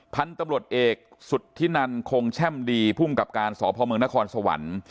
ท่านตำรวจเอกสุดที่นั่นคงแช่มดีภูมิกับการสอบภอมเมืองนครสวรรค์